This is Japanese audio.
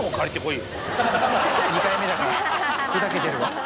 ２回目だから砕けてる。